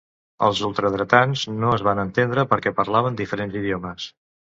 Els ultradretans no es van entendre perquè parlaven diferents idiomes